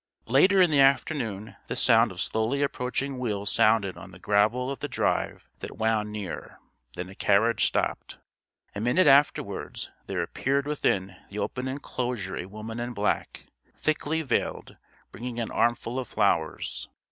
Later in the afternoon the sound of slowly approaching wheels sounded on the gravel of the drive that wound near: then a carriage stopped. A minute afterwards there appeared within the open enclosure a woman in black, thickly veiled, bringing an armful of flowers.